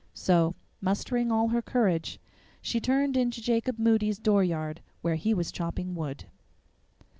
So, mustering all her courage, she turned into Jacob Moody's dooryard, where he was chopping wood.